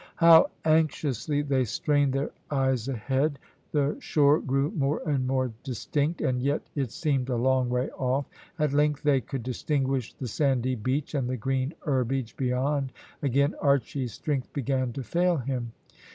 How anxiously they strained their eyes ahead! the shore grew more and more distinct, and yet it seemed a long way off. At length they could distinguish the sandy beach and the green herbage beyond. Again Archy's strength began to fail him.